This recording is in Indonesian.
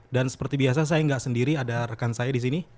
dan seperti biasa saya nggak sendiri ada rekan saya di sini